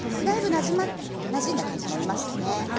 だいぶなじんだ感じになりましたね。